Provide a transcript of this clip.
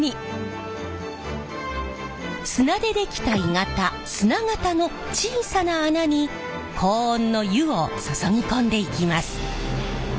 砂でできた鋳型砂型の小さな穴に高温の「湯」を注ぎ込んでいきます。